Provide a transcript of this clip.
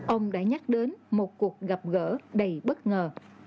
ông đã nhắc đến một cuộc gặp gỡ đầy bất ngờ